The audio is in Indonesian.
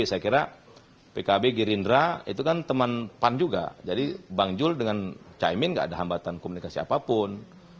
saya kira pkb gerindra itu kan teman pan juga jadi bang jul dengan caimin gak ada hambatan komunikasi apapun